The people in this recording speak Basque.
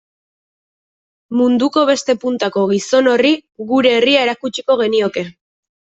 Munduko beste puntako gizon horri gure herria erakutsiko genioke.